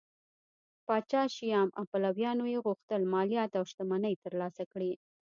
پاچا شیام او پلویانو یې غوښتل مالیات او شتمنۍ ترلاسه کړي